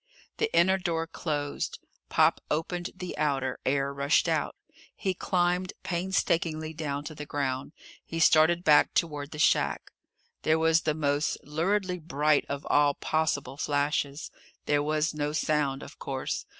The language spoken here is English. The inner door closed. Pop opened the outer. Air rushed out. He climbed painstakingly down to the ground. He started back toward the shack. There was the most luridly bright of all possible flashes. There was no sound, of course.